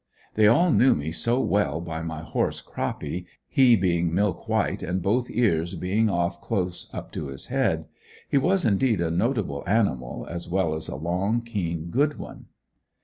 They all knew me so well by my horse, Croppy, he being milk white and both ears being off close up to his head. He was indeed a notable animal, as well as a long, keen, good one.